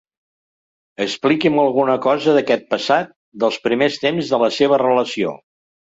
Expliqui'm alguna cosa d'aquest passat, dels primers temps de la seva relació.